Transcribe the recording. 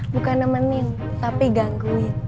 bukan nemenin tapi gangguin